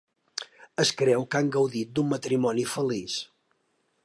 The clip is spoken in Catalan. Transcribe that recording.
Es creu que han gaudit d'un matrimoni feliç.